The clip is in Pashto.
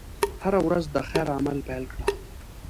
هره ورځ د خیر عمل پيل کړه.